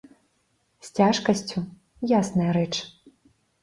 З цяжкасцю, ясная рэч.